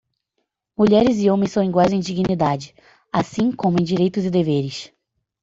Mulheres e homens são iguais em dignidade, assim como em direitos e deveres.